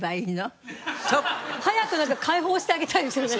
早くなんか解放してあげたいですよね。